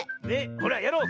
ほらやろう。